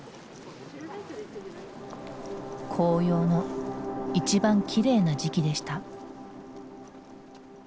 紅葉の一番きれいな時期でした。